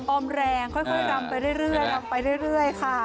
ออมแรงค่อยรำไปเรื่อยค่ะ